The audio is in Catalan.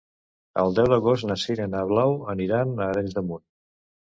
El deu d'agost na Sira i na Blau aniran a Arenys de Munt.